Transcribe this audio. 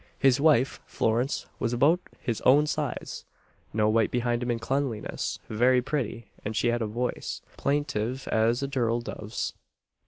His wife, Florence, was about his own size, no whit behind him in cleanliness, very pretty, and she had a voice plaintive as a turtledove's.